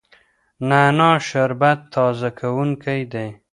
نعنا شربت تازه کوونکی دی.